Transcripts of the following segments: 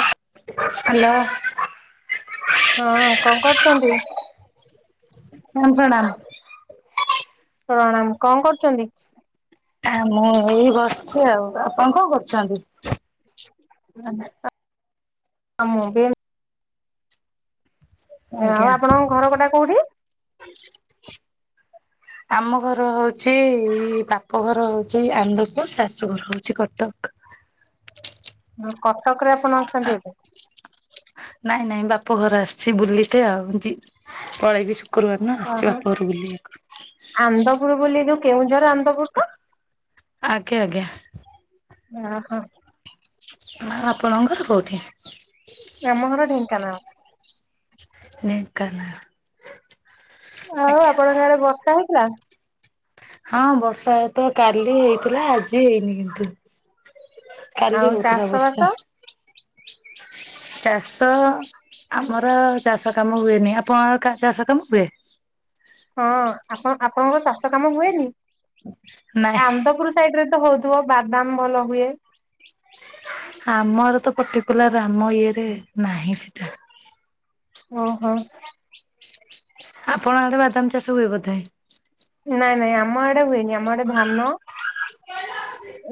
ହଁ। ହ୍ୟାଲୋ। ହଁ କଣ କରୁଚନ୍ତି? ପ୍ରଣାମ ପ୍ରଣାମ। ପ୍ରଣାମ କଣ କରୁଚନ୍ତି? ଆ ମୁଁ ଏଇ ବସିଚି ଆଉ। ଆପଣ କଣ କରୁଚନ୍ତି? ଆ ମୁଁ ବି [unintelligible] ଆଉ ଆଜ୍ଞା। ଆପଣଙ୍କ ଘର କଟା କୋଉଠି? ଆମ ଘର ହଉଚି ବାପ ଘର ହଉଚି ଆନ୍ଦ୍ରପୁର ଶାଶୁ ଘର ହଉଚି କଟକ। କଟକରେ ଆପଣ ଅଚନ୍ତି ଏବେ? ନାଇଁ ନାଇଁ ବାପ ଘର ଆସିଚି ବୁଲିତେ ଆଉ ପଳେଇବି ଗୁରୁବାର ଦିନ ଆସଚି ଓହୋ ବାପ ଘରକୁ ବୁଲିବାକୁ। ଆନ୍ଦପୁର ବୋଲି ଯୋଉ କେଉଁଝର ଆନ୍ଦପୁର? ତ? ଆଜ୍ଞା ଆଜ୍ଞା। ଅ ହଁ। ନା ଆପଣଙ୍କ ଘର କୋଉଠି? ଆମ ଘର ଢେଙ୍କାନାଳ। ଢେଙ୍କାନାଳ। ଆଉ ଆଜ୍ଞା। ଆପଣଙ୍କ ଆଡେ ବର୍ଷା ହେଇଥିଲା? ହଁ ବର୍ଷା ତ କାଲି ହେଇଥିଲା। ଆଜି ହେଇନି କିନ୍ତୁ। କାଲି ଆଉ ହଉଥିଲା ଚାଷ ବର୍ଷା। ବାସ? ଚାଷ ଆମର ଚାଷ କାମ ହୁଏନି। ଆପଣ ଚାଷ କାମ ହୁଏ? ହଁ। ଆପଣ ଆପଣଙ୍କର ଚାଷ କାମ ହୁଏନି? ନାଇଁ ଆନ୍ଦପୁର ସାଇଡରେ ତ ହଉଥିବ ବାଦାମ ଭଲ ହୁଏ। ଆମର ତ ପର୍ଟିକୁଲାର ଆମ ଇଏରେ ନାହିଁ ସେଟା। ଓହୋ। ଆପଣ ଆଡେ ବାଦାମ ଚାଷ ହୁଏ ବୋଧେ? ନାଇଁ ନାଇଁ ଆମ ଆଡେ ହୁଏନି। ଆମ ଆଡେ ଧାନ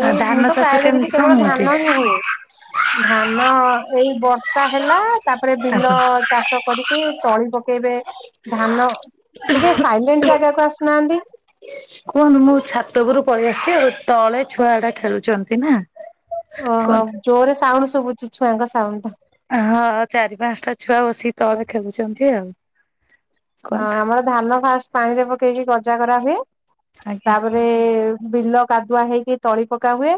ଏ ଆ ଧାନ ମୁଁ ତ ଚାଷ ପ୍ରାୟ ଦେଖିଚି କେମିତି କଣ କେବଳ ହୁଅନ୍ତି? ଧାନ ହିଁ ହୁଏ। ଧାନ ଏଇ ବର୍ଷା ହେଲା ତାପରେ ବିଲ ଆଜ୍ଞା ଚାଷ କରିକି ତଳି ପକେଇବେ ଧାନ ଟିକେ ସାଇଲେଣ୍ଟ ଜାଗାକୁ ଆସ ନାହନ୍ତି। କୁହନ୍ତୁ ମୁଁ ଛାତ ଉପରୁ ପଳେଇ ଆସିଛି ଆଉ ତଳେ ଛୁଆ ଟା ଖେଳୁଛନ୍ତି ନା। ଓହୋ କୁହନ୍ତୁ। ଜୋରରେ ସାଉଣ୍ଡ ଶୁଭୁଛି ଛୁଆଙ୍କ ସାଉଣ୍ଡ। ହଁ, ହଁ ଚାରି ପାଞ୍ଚଟା ଛୁଆ ବସିକି ତଳେ ଖେଳୁଛନ୍ତି ଆଉ। ହଁ, କୁହନ୍ତୁ ଆମର ଧାନ ଫାଷ୍ଟ ପାଣିରେ ପକେଇକି ଗଜା କରା ହୁଏ, ଆଜ୍ଞା। ତାପରେ ବିଲ କାଦୁଆ ହେଇକି ତଳି ପକା ହୁଏ,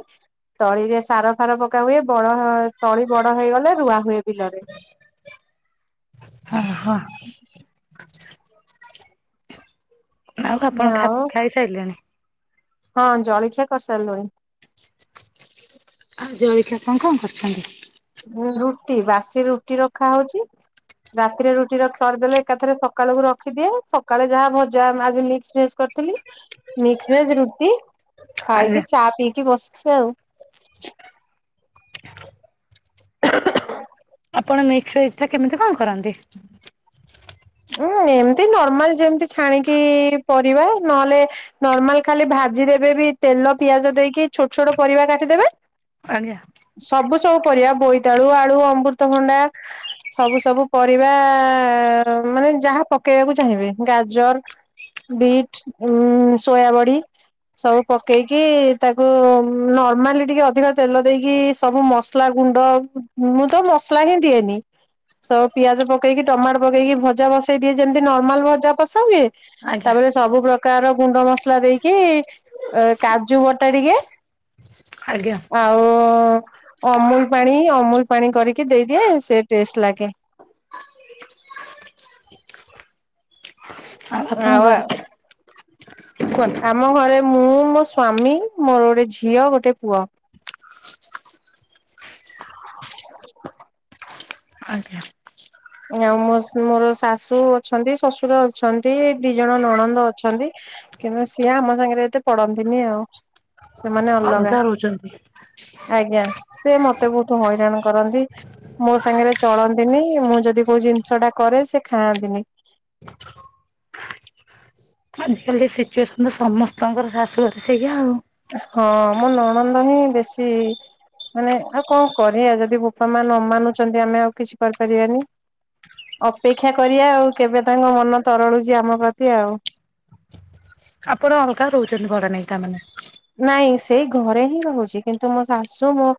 ତଳିରେ ସାର ଫାର ପକା ହୁଏ ବଳ ତଳି ବଡ ହେଇଗଲେ ରୁଆ ହୁଏ ବିଲରେ। ଓହୋ ଆଉ ଆପଣ ଖା-ଖାଇସାରିଲେଣି। ହଁ ଜଳଖିଆ କରିସାରିଲୁଣି। ଆଉ ଜଳଖିଆ କଣ କଣ କରୁଛନ୍ତି? ରୁଟି ବାସି ରୁଟି ରଖା ହଉଛି ରାତିରେ ରୁଟିର ଖରିଦେଲେ ଏକାଥରେ ସକାଳ କୁ ରଖିଦିଏ ସକାଳେ ଯାହା ଭଜା ଆଜିି ମିକ୍ସ ଭେଜ୍ ରୁଟି ଆଜ୍ଞା ଖାଇକି ଚା ପିଇକି ବସିଛି ଆଉ। ଆପଣ ମିକ୍ସ ଭେଜ୍ ଟା କେମିତି କଣ କରନ୍ତି? ଉଁ ଏମିତି ନର୍ମାଲ ଯେମିତି ଛାଣିକି ପରିବା ନହେଲେ ନର୍ମାଲ ଖାଲି ଭାଜି ଦେେବେ ବି ତେଲ ପିଆଜ ଦେଇକି ଛୋଟ ଛୋଟ ପରିବା କାଟିଦେବେ। ଆଜ୍ଞା। ସବୁ ସବୁ ପରିବା ବୋଇତାଳୁ ଆଳୁ ଅମୃତଭଣ୍ଡା। ସବୁ ସବୁ ପରିବା ମାନେ ଯାହା ପକେଇବାକୁ ଚାହିଁବେ ଗାଜର ବିଟ୍ ଉଁ ସୋୟାବଡ଼ି। ସବୁ ପକେଇକି ତାକୁ ନର୍ମାଲି ଟିକେ ଅଧିକ ତେଲ ଦେଇକି ସବୁ ମସ ମସଲା ଗୁଣ୍ଡ ମୁଁ ତ ମସଲା ହିଁ ଦିଏନି ସବୁ ପିଆଜ ପକେଇକି ଟମାଟ ପକେଇକି ଭଜା ବସେଇ ଦିଏ ଯେମିତି ନର୍ମାଲ ଭଜା ବସାନ୍ତିନି ଆଜ୍ଞା ତାପରେ। ସବୁ ପ୍ରକାର ଗୁଣ୍ଡ ମସଲା ଦେଇକି କାଜୁ ବଟା ଟିକେ ଆଜ୍ଞା ଆଉ ଅମୁଲ ପାଣି ଅମୁଲ ପାଣି କରିକି ଦେଇଦିଏ ସେ ଟେଷ୍ଟ ଲାଗେ ଆପଣଙ୍କ ଆଉ ଆ ଘରେ କୁହନ୍ତୁ। ଆମ ଆମ ଘରେ ମୁଁ ମୋ ସ୍ଵାମୀ ମୋର ଗୋଟେ ଝିଅ ଗୋଟେ ପୁଅ [inaudible] ଆଜ୍ଞା [unintelligible] ଆଉ ମୋ ମୋର ଶାଶୁ ଅଛନ୍ତି ଶଶୁର ଅଛନ୍ତି ଦି ଜଣ ନଣନ୍ଦ ଅଛନ୍ତି। କିନ୍ତୁ ସିଏ ଆମ ସାଙ୍ଗରେ ଏତେ ପଡନ୍ତିନି ଆଉ ସେମାନେ ଅଲଗା ଆଜ୍ଞା ସେ ମତେ ବୋହୁତ ହଇରାଣ କରନ୍ତି ମୋ ସାଙ୍ଗରେ ଚଳନ୍ତିନି ମୁଁ ଯଦି ଯଦି କୋଉ ଜିନିଷ ଟା କରେ ସେ ଖାଆନ୍ତିନି। ଆଜିକାଲି ସିଚୁଏସନ ତ ସମସ୍ତଙ୍କର ଶାଶୁଘରେ ସେଇଆ ଆଉ। ହଁ, ମୋ ନଣନ୍ଦ ହିଁ ବେଶୀ ମାନେ ଆଉ କଣ କରିବା ଯଦି ବୋପା ମା ନ ମାନୁଛନ୍ତି ଆମେ ଆଉ କିଛି କରିପାରିବାନି। ଅପେକ୍ଷା କରିବା ଆଉ କେବେ ତାଙ୍କ ମନ ତରଳୁଛି ଆମ ପ୍ରତି ଆଉ। ଆପଣ ଅଲଗା ରହୁଛନ୍ତି ଭଡ଼ା ନେଇକି ତା ମାନେ ନାଇଁ ସେଇ ଘରେ ହିଁ ରହୁଛି କିନ୍ତୁ ମୋ ଶାଶୁ ମୋ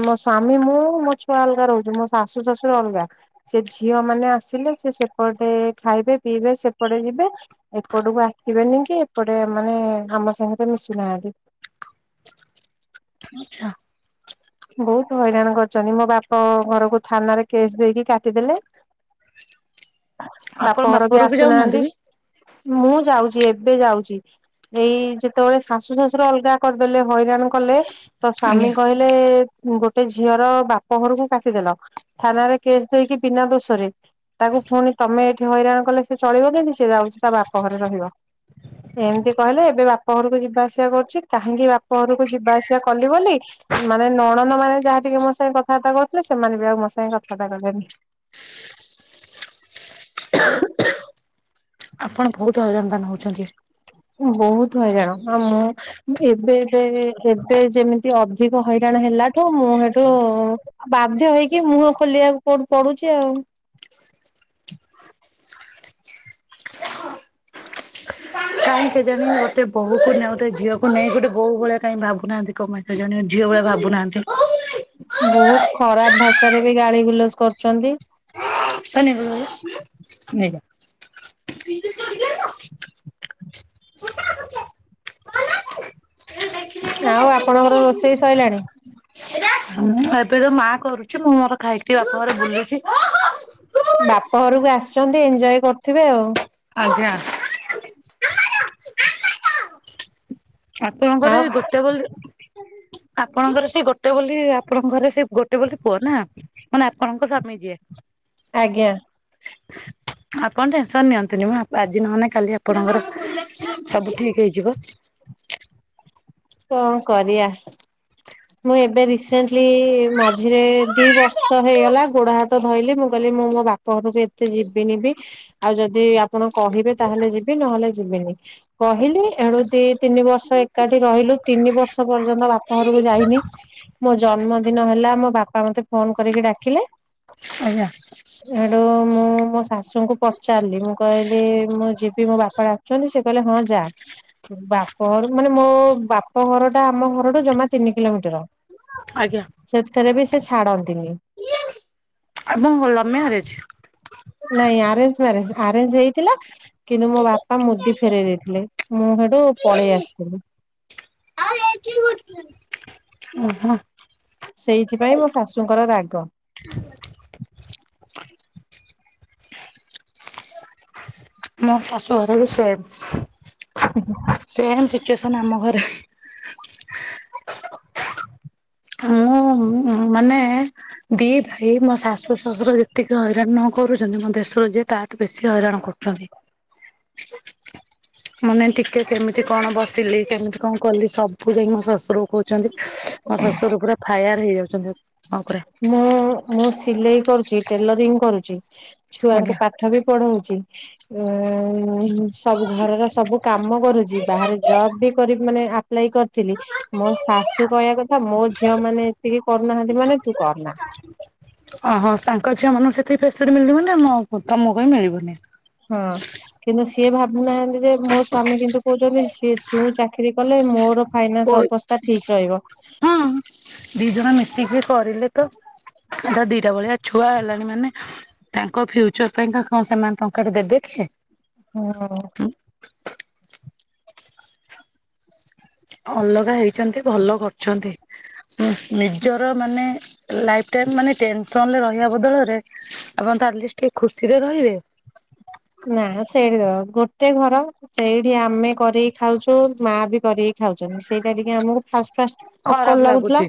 ମୋ ସ୍ୱାମୀ ମୁଁ ମୋ ଛୁଆ ଅଲଗା ରହୁଛନ୍ତି ମୋ ଶାଶୁ ଶ୍ୱଶୁର ଅଲଗା। ସେ ଝିଅ ମାନେ ଆସିଲେ ସେ ସେପଟେ ଖାଇବେ ପିଇବେ ସେପଟେ ଯିବେ। ଏପଟକୁ ଆସିବେନି କି ଏପଟେ ମାନେ ଆମ ସାଙ୍ଗରେ ମିଶୁନାହାନ୍ତି। ଆଚ୍ଛା ବହୁତ ହଇରାଣ କରିଛନ୍ତି ମୋ ବାପ ଘରକୁ ଥାନାରେ କେସ୍ ଦେଇକି କାଟିଦେଲେ। ଆପଣ ବାପଘର ବି ବାପଘରକୁ ଯାଉନାହାନ୍ତି ଆସୁନାହାନ୍ତି। ବି? ମୁଁ ଯାଉଚି। ଏବେ ଯାଉଚି। ଏଇ ଯେତେବେଳେ ଶାଶୁ ଶ୍ଵଶୁର ଅଲଗା କରି ଦେଲେ ହଇରାଣ କଲେ। ତ, ସ୍ଵାମୀ ଆଜ୍ଞା କହିଲେ ଗୋଟେ ଝିଅର ବାପ ଘରକୁ କାଟିଦେଲ, ଥାନାରେ କେସ୍ ଦେଇକି ବିନା ଦୋଷରେ। ତାକୁ ପୁଣି ତମେ ଏଇଠି ହଇରାଣ କଲେ ସେ ଚଳିବ କେମିତି? ସିଏ ଯାଉଛି, ତା ବାପ ଘରେ ରହିବ। ଏମିତି କହିଲେ, ଏବେ ବାପା ଘରକୁ ଯିବା ଆସିବା କରୁଛି। କାହିଁକି, ବାପା ଘରକୁ ଯିବା ଆସିବା କଲି ବୋଲି ମାନେ ନଣନ୍ଦମାନେ ଯାହା ଟିକେ ମୋ ସାଙ୍ଗେ କଥାବାର୍ତ୍ତା କରୁଥିଲେ। ସେମାନେ ବି ଆଉ ମୋ ସାଙ୍ଗେ କଥାବାର୍ତ୍ତା କଲେନି। ଆପଣ ବହୁତ ହଇରାଣ ତା ହେଲେ ହଉଛନ୍ତି। ମୁଁ ବହୁତ ହଇରାଣ। ଆଉ ମୁଁ ଏବେ ଏବେ ଏବେ ଯେମିତି ଅଧିକ ହଇରାଣ ହେଲାଠୁ, ମୁଁ ସେଠୁ ବାଧ୍ୟ ହେଇକି ମୁହଁ ଖୋଲିବାକୁ ପଡୁ ପଡୁଛି ଆଉ। କାଇଁ କେଜାଣି ଗୋଟେ ବୋହୂକୁ ନା ଗୋଟେ ଝିଅକୁ ନେଇ ଗୋଟେ ବୋହୁ ଭଳିଆ କାଇଁ ଭାବୁନାହାନ୍ତି କଣ ପାଇଁ? ସେ ଜଣେ ଝିଅ ଭଳିଆ ଭାବୁନାହାନ୍ତି। ବହୁତ ଖରାପ ଭାଷାରେ ବି ଗାଳି ଗୁଲଜ କରୁଚନ୍ତି। [unintelligible] [unintelligible] [unintelligible] ଆଉ ଆପଣଙ୍କର ରୋଷେଇ ସଇଲାଣି। ହଁ ଏବେ ତ ମା କରୁଚି। ମୁଁ ମୋର ଖାଇକି ଟିକେ ବାପଘରେ ବୁଲୁଚି। ବାପ ଘରକୁ ଆସ୍ଚନ୍ତି। ଏଞ୍ଜୟ କରୁଥିବେ ଆଉ। ଆଜ୍ଞା। ଆପଣଙ୍କର ଆଉ ଏଇ ଗୋଟେ ବୋଲି ଆପଣଙ୍କର ସେ ଗୋଟେ ବୋଲି ଆପଣଙ୍କ ଘରେ ସେ ଗୋଟେ ବୋଲି ପୁଅ ନା, ମାନେ ଆପଣଙ୍କ ସ୍ୱାମୀ ଯିଏ। ଆଜ୍ଞା। ଆପଣ ଟେନସନ୍ ନିଅନ୍ତୁ ନି ମ। ଆଜି ନ ହେଲେ କାଲି ଆପଣଙ୍କର ସବୁ ଠିକ୍ ହେଇଯିବ। କଣ କରିଆ? ମୁଁ ଏବେ ରିସେଣ୍ଟଲି ମଝିରେ ଦି ବର୍ଷ ହେଇଗଲା ଗୋଡ, ହାତ ଧଇଲି। ମୁଁ କହିଲି ମୁଁ ମୋ ବା ପ ଘରକୁ ଏତେ ଯିବିନି ବି। ଆଉ ଯଦି ଆପଣ କହିବେ ତା ହେଲେ ଯିବି, ନ ହେଲେ ଯିବିନି। କହିଲି ଏଣୁ ଦି ତିନି ବର୍ଷ ଏକାଠି ରହିଲୁ। ତିନି ବର୍ଷ ପର୍ଯ୍ୟନ୍ତ ବାପା ଘରକୁ ଯାଇନି। ମୋ ଜନ୍ମଦିନ ହେଲା ମୋ ବାପା ମତେ ଫୋନ କରିକି ଡାକିଲେ। ଆଜ୍ଞା। ସୋଉଟୁ, ମୁଁ ମୋ ଶାଶୁଙ୍କୁ ପଚାରିଲି। ମୁଁ କହିଲି ମୁଁ ଯିବି। ମୋ ବାପା ଡା ଛନ୍ତି ସେ କହିଲେ ହଁ, ଯା। ବାପଘର ମାନେ ମୋ ବା ବାପ ଘରଟା ଆମ ଘରଠୁ ଜମା ତିନି କିଲୋମିଟର। ଆଜ୍ଞା। ସେଥେରେ ବି ସେ ଛାଡନ୍ତିନି। ଆପଣ କଣ ଲଭ୍ ମ୍ୟାରେଜ୍? ନାଇଁ ଆରେଞ୍ଜ ମ୍ୟାରେଜ୍। ଆରେଞ୍ଜ ହେଇଥିଲା କିନ୍ତୁ ମୋ ବାପା ମୁଦି ଫେରେଇ ଦେଇଥିଲେ। ମୁଁ ସେଠୁ ପଳେଇ ଆସିଥିଲି। କିଏ କରିଥିଲେ? ଓହୋ। ସେଇଥିପାଇଁ ମୋ ଶାଶୁଙ୍କର ରାଗ। ମୋ ଶାଶୁ ଘର ବି ସେମ୍। ହୁଁ ହୁଁ ସେମ୍ ସିଚୁଏସନ୍ ଆମ ଘରେ। ହଁ, ମୁଁ ମୁଁ ମାନେ ଦି ଭାଇ, ମୋ ଶାଶୁ ଶଶୁର ଯେତିକି ହଇରାଣ ନ କରୁଛନ୍ତି ମୋ ଦେଢଶୁର ଯିଏ ତାଠାରୁ ବେଶୀ ହଇରାଣ କରୁଛନ୍ତି। [inaudible] ମାନେ ଟିକେ କେମିତି କଣ ବସିଲି, କେମିତି କଣ କଲିି, ସବୁ ଯାଇ ମୋ ଶଶୁରକୁ କହୁଛ କହୁଛନ୍ତି ମୋ ଶ୍ୱଶୁର ପୁରା ଫାୟାର ହେଇଯାଉଛନ୍ତି ମୋ ଉପରେ। ମୁଁ, ମୁଁ ସିଲେଇ କରୁଛି ଟେଲରିଂ କରୁଛି, ଛୁଆଙ୍କୁ ପାଠ ପାଠ ବି ପଢଉଛି, ଉ ସବୁ ଘରର ସବୁ କାମ କରୁଛି, ବାହାରେ ଜବ୍ ବି କରି ମାନେ ଆପ୍ଲାଏ କରିଥିଲି। ମୋ ଶାଶୁ ଆଜ୍ଞା। କହିବା କଥା, ମୋ ଝିଅ ମାନେ ସେତିକି କରୁନାହାନ୍ତି ମାନେ ତୁ କରୁନା। ଓହୋ ତାଙ୍କ ଝିଅ ମାନଙ୍କୁ ସେଥିକି ଫେସ୍ ଲିଟି ମିଳିନି ବୋଲି ତମକୁ ବି ମିଳିବନି। ହଁ, କିନ୍ତୁ ସିଏ ଭାବୁନାହାନ୍ତି ଯେ, ମୋ ସ୍ଵାମୀ କିନ୍ତୁ କହୁଛନ୍ତି ସିଏ ତୁ ଚାକିରୀ କଲେ ମୋର ଫାଇନାନ୍ସ ଅବସ୍ଥା ଠିକ ରହିବ। ହଁ, ଦି ଜଣ ମିଶିକି କରିଲେ ତ ଏ ତ ଦିଟା ଭଳିଆ ଛୁଆ ହେଲାଣି ମାନେ। ତାଙ୍କ ଫ୍ୟୁଚର୍ ପାଇଁ କଣ ସେମାନେ ଟଙ୍କାଟେ ଦେବେ କିଏ? ହଁ। ଅଲଗା ହେଇଛନ୍ତି ଭଲ କରିଛନ୍ତି। ନିଜର ମାନେ ଲାଇଫ୍ ଟା ମାନେ ଟେନସନରେ ରହିବା ବଦଳରେ ଆପଣ ତ ଆଟଲିଷ୍ଟ ଟିକେ ଖୁସିରେ ରହିବେ। ନା ସେଇଠି ତ ଗୋଟେ ଘର। ସେଇଠି ଆମେ କରିକି ଖାଉଛୁ, ମାଁ ବି କରିକି ଖାଉଛନ୍ତି ସେଇଟା ଟିକେ ଆମକୁ ଫାଷ୍ଟ ଫାଷ୍ଟ, ଅକୱାଡ ଖରାପ ଲାଗୁଥିଲା। ଲାଗୁଛି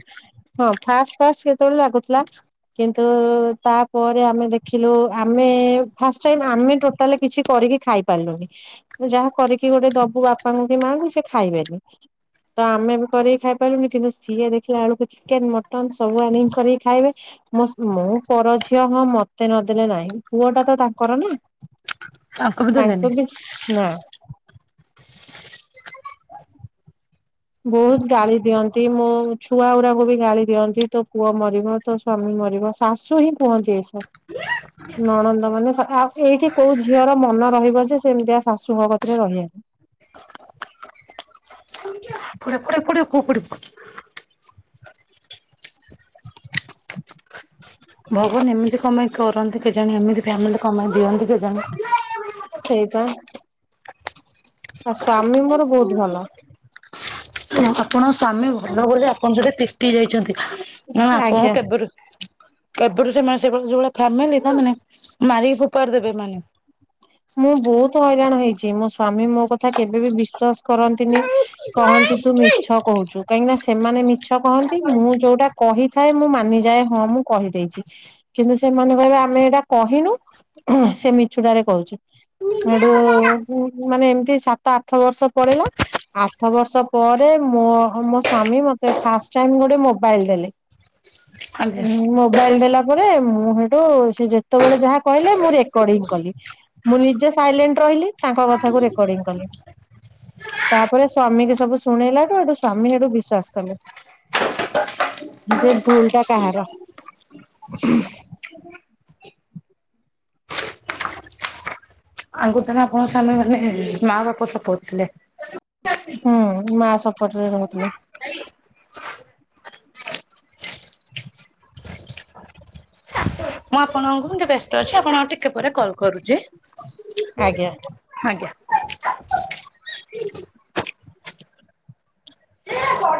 ହଁ, ଫାଷ୍ଟ ଫାଷ୍ଟ କେତେବେଳେ ଲାଗୁଥିଲା କିନ୍ତୁ, ତାପରେ ଆମେ ଦେଖିଲୁ ଆମେ ଫାର୍ଷ୍ଟ ଟାଇମ ଆମେ ଟୋଟାଲ କିଛି କରିକି ଖାଇ ପାରିଲୁନି। ଯାହା କରିକି ଗୋଟେ ଦବୁ ବାପାଙ୍କୁ ମାଆଙ୍କୁ ସେ ଖାଇବେନି। ତ ଆମେ ବି କରିକି ଖାଇପାରିଲୁନି କିନ୍ତୁ ସିଏ ଦେଖିଲା ବେଳକୁ ଚିକେନ ମଟନ ସବୁ ଆଣିକି କରିକି ଖାଇବେ। ମୁଁ ପର ଝିଅ ହଁ ମତେ ନଦେଲେ ନାହିଁ ପୁଅଟା ତ ତାଙ୍କର ନା। ତାଙ୍କୁ ବି ଦେଲେନି। ତାଙ୍କ ବି [unintelligible] ବହୁତ ଗାଳି ଦିଅନ୍ତି, ମୋ ଛୁଆ ଗୁଡାକୁ ବି ଗାଳି ଦିଅନ୍ତି, ତୋ ପୁଅ ମରିବ। ତ ସ୍ଵାମୀ ମରିବ, ଶାଶୁ ହିଁ କୁହନ୍ତି ଏସବୁ। ନଣନ୍ଦ ମାନେ ଆଉ ଏଇଠି କୋଉ ଝିଅର ମନ ରହିବ ଯେ ସେମିତିଆ ଶାଶୁଙ୍କ କତିରେ ରହିବାକୁ। [unintelligible] ଭଗବାନ ଏମିତି କଣ ପାଇଁ କରନ୍ତି କେଜାଣି ଏମିତି ଫ୍ୟାମିଲି କଣ ପାଇଁ ଦିଅନ୍ତି କେଜାଣି। ସେଇବା ଆ ସ୍ଵାମୀ ମୋର ବହୁତ ଭଲ। ଆପଣଙ୍କ ସ୍ଵାମୀ ଭଲ ବୋଲି ଆପଣ ସେଠି ତିଷ୍ଟି ଯାଇଛନ୍ତି ନହେଲେ ଆପଣ ଆଜ୍ଞା। କେବେଠୁ ଏପତେ ସେମାନେ ସେ ଯୋଭଳିଆ ଫାମିଲି ସେମାନେ ମାରିକି ଫୋପାଡି ଦେବେ ଏମାନେ। ମୁଁ ବହୁତ ହଇରାଣ ହେଇଛି ମୋ ସ୍ଵାମୀ ମୋ କଥା କେବେ ବି ବିଶ୍ଵାସ କରନ୍ତିନି। କହନ୍ତି ତୁ ମିଛ କହୁଛୁ କାହିଁକି ନା ସେମାନେ ମିଛ କହନ୍ତି ମୁଁ ଯୋଉଟା କହି କହିଥାଏ ମୁଁ ମାନିଯାଏ, ହଁ ମୁଁ କହିଦେଇଛି। କିନ୍ତୁ ସେମାନେ କହିବେ ଆମେ ଏଇଟା କହିନୁ ସେ ମିଛୁଟାରେ କହୁଛି। ଏଠୁ ମାନେ ଏମିତି ସାତ ଆଠ ବର୍ଷ ପଳିଲା ଆଠ ବର୍ଷ ପରେ ମୋ ମୋ ସ୍ଵାମୀ ମତେ ଫାଷ୍ଟ ଟାଇମ୍ ଗୋଟେ ମୋବାଇଲ ଦେଲେ। ଆଜ୍ଞା। ହୁଁ [unintelligible] ମୋବାଇଲ ଦେଲା ପରେ ମୁଁ ସେଇଠୁ ସେ ଯେତେବେଳେ ଯାହା କହିଲେ ମୁଁ ରେକର୍ଡିଙ୍ଗ କଲି। ମୁଁ ନିଜେ ସାଇଲେଣ୍ଟ ରହିଲି ତାଙ୍କ କଥାକୁ ରେକର୍ଡିଂ କଲି। ତାପରେ ସ୍ୱାମୀ କୁ ସବୁ ଶୁଣେଇଲାଠୁ ଏଠୁ ସ୍ୱାମୀ ସେଠୁ ବିଶ୍ଵାସ କଲେ। ଯେ ଭୁଲ ଟା କାହାର। ଆଙ୍ଗୁଠରେ ଆଣ ସାାମେ ମାନେ ମା ବାପା ସ ପଥିଲେ [unintelligible] ହୁଁ ମା ସପଟରେ ରହୁଥିଲେ। ମୁଁ ଆପଣଙ୍କୁ ଟିକେ ବ୍ୟସ୍ତ ଅଛି। ଆପଣଙ୍କୁ ଟିକେ ପରେ କଲ୍ କରୁଛି। ଆଜ୍ଞା। ଆଜ୍ଞା। ଆଜ୍ଞା।